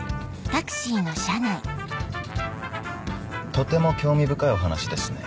とても興味深いお話ですね。